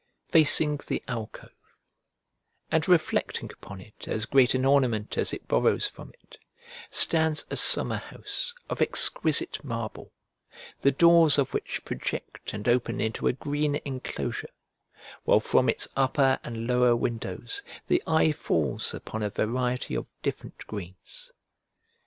Facing the alcove (and reflecting upon it as great an ornament as it borrows from it) stands a summer house of exquisite marble, the doors of which project and open into a green enclosure, while from its upper and lower windows the eye falls upon a variety of different greens.